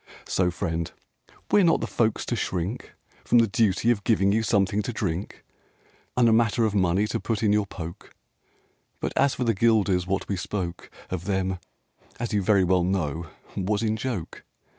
So, friend, we're not the folks to shrink RAINBOW GOLD From the duty of giving you something to drink, And a matter of money to put in your poke; But as for the guilders, what we spoke Of them, as you very well know, was in joke.